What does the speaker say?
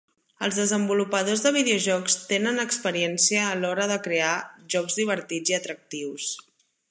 Els desenvolupadors de videojocs tenen experiència a l'hora de crear jocs divertits i atractius.